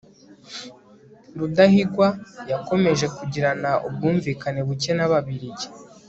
rudahigwa yakomeje kugirana ubwumvikane buke n'ababiligi